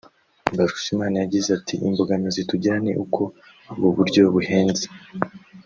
Mbarushimana yagize ati “Imbogamizi tugira ni uko ubu buryo buhenze